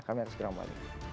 kami harus berambah